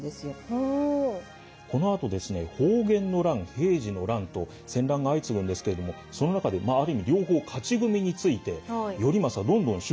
このあとですね保元の乱平治の乱と戦乱が相次ぐんですけれどもその中である意味両方勝ち組について頼政どんどん出世していくんですね。